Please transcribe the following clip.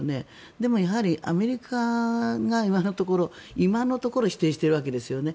でも、やはりアメリカが今のところ否定しているわけですよね。